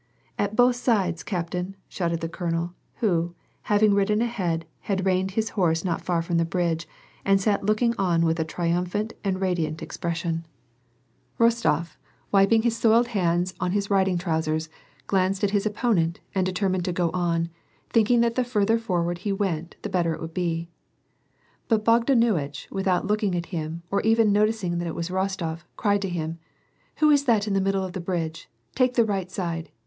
" At both sides, captain," shouted the colonel, who having ridden ahead, had reined in his horse not far from the bridge, and sat looking on with a triumphant and radiant expression. WAR AND PEACE. 173 Eostof, wiping his soiled hands on his riding trousers, glanced at his opponent and determined to go on, thinking that the far ther forward he went, the better it would be. But Bogdanuitch, without looking at him, or even noticing that it was Rostof, cried to him, —" Who is that in the middle of the bridge. Take the right side